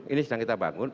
ini sedang kita bangun